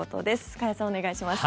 加谷さん、お願いします。